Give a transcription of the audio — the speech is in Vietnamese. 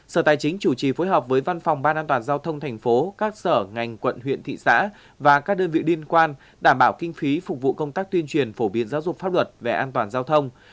sở tài chính chủ trì phối hợp với văn phòng ban an toàn giao thông thành phố các sở ngành quận huyện thị xã và các đơn vị liên quan đảm bảo kinh phí phục vụ công tác tuyên truyền phổ biến giáo dục pháp luật về an toàn giao thông